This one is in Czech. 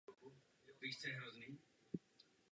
Nebyl jsem jediný.